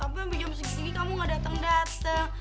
tapi ambil jam segini kamu gak dateng dateng